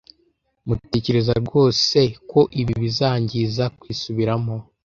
Mutekereza rwose ko ibi bizangiza kwisubiramo